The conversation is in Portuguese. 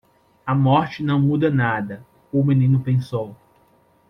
A morte não muda nada? o menino pensou.